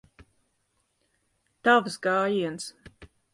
Tavs gājiens.